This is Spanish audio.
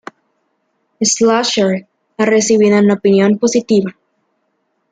Slasher ha recibido una opinión positiva.